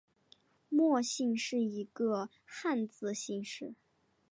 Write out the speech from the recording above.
莫姓是一个汉字姓氏。